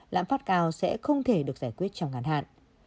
lạm phát cao sẽ không thể được giải quyết trong ngàn hạn